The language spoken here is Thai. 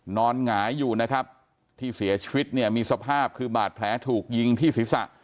หงายอยู่นะครับที่เสียชีวิตเนี่ยมีสภาพคือบาดแผลถูกยิงที่ศีรษะ